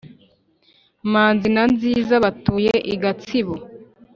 manzi na nziza batuye i gatsibo.